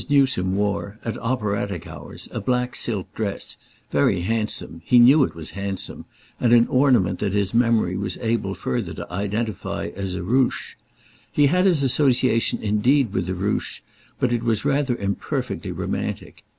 Newsome wore, at operatic hours, a black silk dress—very handsome, he knew it was "handsome"—and an ornament that his memory was able further to identify as a ruche. He had his association indeed with the ruche, but it was rather imperfectly romantic.